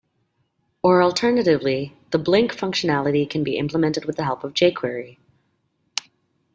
Or alternatively, the "blink" functionality can be implemented with the help of jQuery.